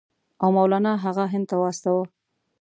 او مولنا هغه هند ته واستاوه.